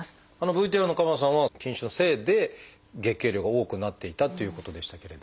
ＶＴＲの鎌田さんは筋腫のせいで月経量が多くなっていたっていうことでしたけれども。